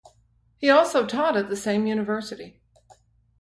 He also taught at the same university.